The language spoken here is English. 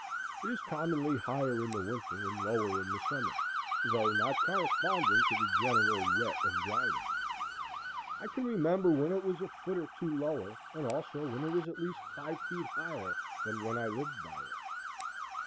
It is commonly higher in the winter and lower in the summer, though not corresponding to the general wet and dryness. I can remember when it was a foot or two lower, and also when it was at least five feet higher, than when I lived by it.